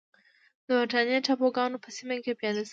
د برېټانیا ټاپوګان په سیمه کې پیاده شوې.